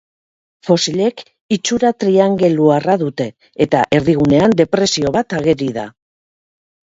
Fosilek itxura triangeluarra dute eta erdigunean depresio bat ageri da.